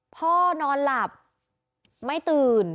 พ่อนอนหลับไม่ตื่น